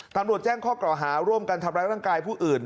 ตำรวจแจ้งข้อกล่าวหาร่วมกันทำร้ายร่างกายผู้อื่น